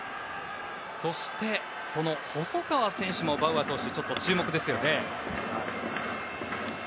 そして細川選手もバウアー選手はちょっと注目ですよね。